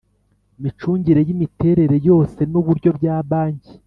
micungire y imiterere yose n uburyo bya Banki